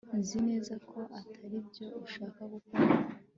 Nzi neza ko atari byo ushaka gukora